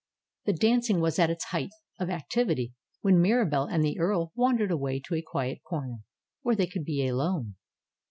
The dancing was at its height of activity when Mira belle and the earl wandered away to a quiet corner, where they could be alone.